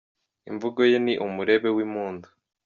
Imvugo ye ni umurebe w’impundu